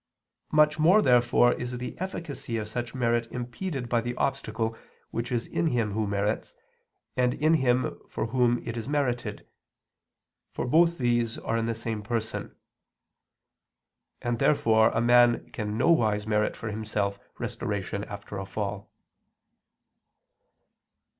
Much more, therefore, is the efficacy of such merit impeded by the obstacle which is in him who merits, and in him for whom it is merited; for both these are in the same person. And therefore a man can nowise merit for himself restoration after a fall.